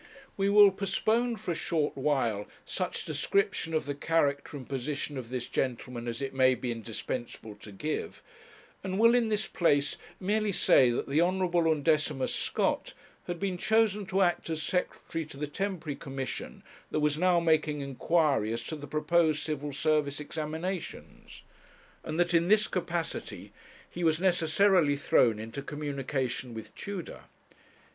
We will postpone for a short while such description of the character and position of this gentleman as it may be indispensable to give, and will in this place merely say that the Honourable Undecimus Scott had been chosen to act as secretary to the temporary commission that was now making inquiry as to the proposed Civil Service examinations, and that in this capacity he was necessarily thrown into communication with Tudor.